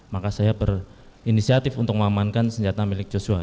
maka saya berinisiatif untuk mengamankan senjata milik joshua